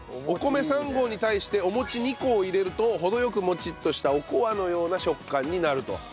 お米３合に対してお餅２個を入れると程良くモチッとしたおこわのような食感になると。